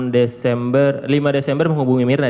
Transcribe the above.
enam desember lima desember menghubungi myrna